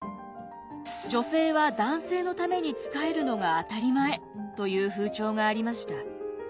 女性は男性のために仕えるのが当たり前という風潮がありました。